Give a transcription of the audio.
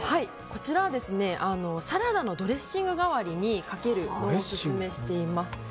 こちらはサラダのドレッシング代わりにかける方法をオススメしています。